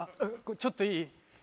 ちょっといい？